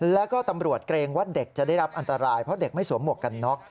แล้วก็ตำรวจเกรงว่าเด็กจะได้รับอันตรายเพราะเด็กไม่สวมหมวกกันน็อก